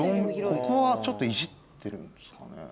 ここはちょっといじってるんですかね？